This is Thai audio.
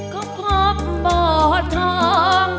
ก็พบบ่อทอง